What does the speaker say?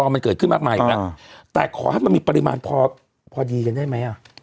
มันเกิดขึ้นมากมายอีกแล้วแต่ขอให้มันมีปริมาณพอพอดีกันได้ไหมอ่ะ